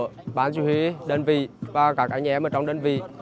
của bán chủ huy đơn vị và các anh em ở trong đơn vị